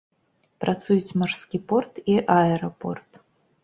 Працуюць марскі порт і аэрапорт.